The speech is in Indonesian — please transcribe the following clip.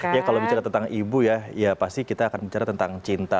ya kalau bicara tentang ibu ya ya pasti kita akan bicara tentang cinta